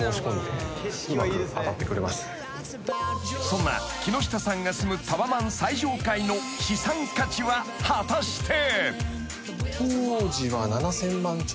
［そんな木下さんが住むタワマン最上階の資産価値は果たして］